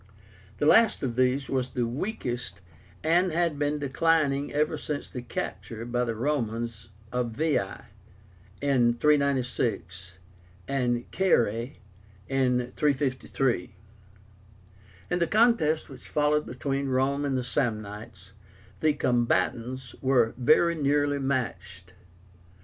The last of these was the weakest, and had been declining ever since the capture by the Romans of Veii in 396, and of Caere in 353. In the contest which followed between Rome and the Samnites, the combatants were very nearly matched.